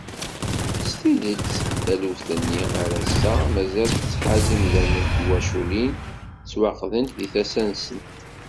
S tidet, taluft-nni ar ass-a mazal tettḥaz imdanen, tiwaculin ttwaqdent di tasa-nsent.